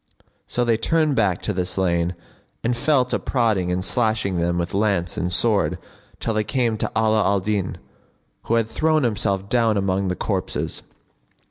So they turned back to the slain and fell to prodding and slashing them with lance and sword till they came to Ala al Din, who had thrown himself down among the corpses.